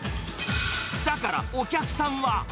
だから、お客さんは。